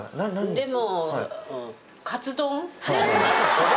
でも。